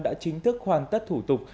đã chính thức hoàn tất thủ tục